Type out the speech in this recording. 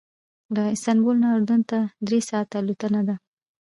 له استانبول نه اردن ته درې ساعته الوتنه ده.